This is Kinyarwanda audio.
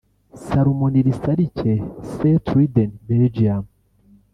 Salomon Nirisalike (Saint Truiden/Belgium)